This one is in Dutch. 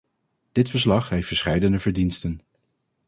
Dit verslag heeft verscheidene verdiensten.